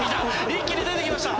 一気に出てきました。